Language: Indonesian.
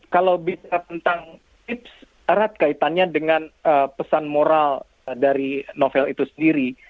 kalau bicara tentang tips erat kaitannya dengan pesan moral dari novel itu sendiri